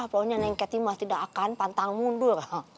pokoknya neng keti mah tidak akan pantang mundur